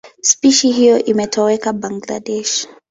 Spishi hiyo imetoweka Bangladesh.